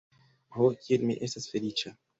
Ho, kiel mi estas feliĉa!